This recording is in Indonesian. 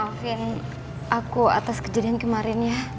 maafin aku atas kejadian kemarin ya